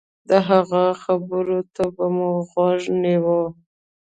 د هغه خبرو ته به مو غوږ نيوه.